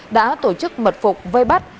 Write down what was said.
đã tổ chức mật phục vây bắt